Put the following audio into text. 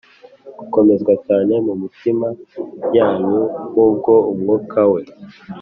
gukomezwa cyane mu mitima yanyu ku bwo Umwuka we;